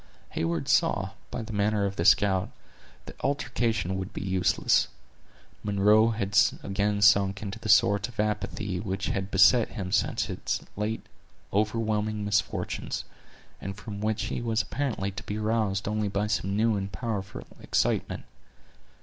Heyward saw, by the manner of the scout, that altercation would be useless. Munro had again sunk into that sort of apathy which had beset him since his late overwhelming misfortunes, and from which he was apparently to be roused only by some new and powerful excitement.